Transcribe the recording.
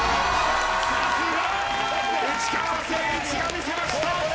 さすが内川聖一が魅せました！